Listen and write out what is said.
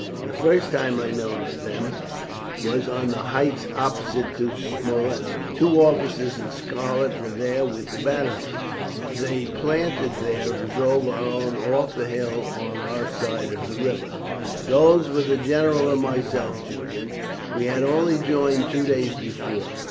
The first time I noticed them was on the heights opposite to Smolensk. Two officers in scarlet were with the batteries they planted there and drove our own off the hill on our side of the river." "Those were the general and myself, Julian. We had only joined two days before.